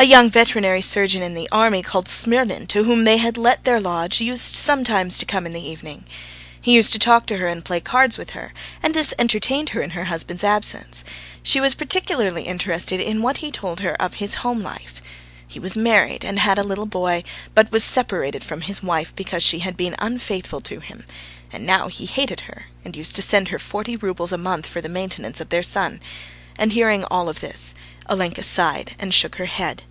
A young veterinary surgeon in the army, called Smirnin, to whom they had let their lodge, used sometimes to come in in the evening. He used to talk to her and play cards with her, and this entertained her in her husband's absence. She was particularly interested in what he told her of his home life. He was married and had a little boy, but was separated from his wife because she had been unfaithful to him, and now he hated her and used to send her forty roubles a month for the maintenance of their son. And hearing of all this, Olenka sighed and shook her head.